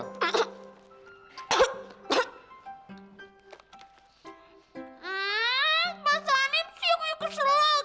hmm pak salif sih aku keselak